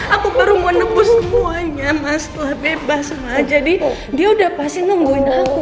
aku baru mau nebus semuanya mas setelah bebas semua jadi dia udah pasti nungguin aku